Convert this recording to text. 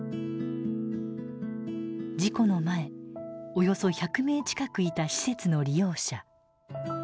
事故の前およそ１００名近くいた施設の利用者。